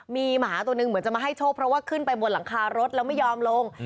มีหมาตัวหนึ่งเหมือนจะมาให้โชคเพราะว่าขึ้นไปบนหลังคารถแล้วไม่ยอมลง